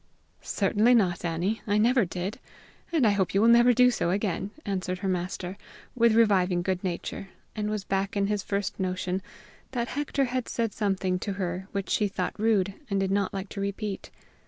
"Certainly not, Annie; I never did. And I hope you will never do so again," answered her master, with reviving good nature, and was back in his first notion, that Hector had said something to her which she thought rude and did not like to repeat.